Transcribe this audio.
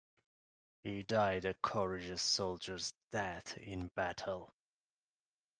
He died a courageous soldier's death in battle.